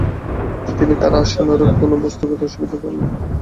তিনি তার আশানুরূপ কোন বস্তুগত সুবিধা পাননি।